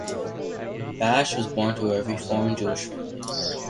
Bash was born to a Reform Jewish family.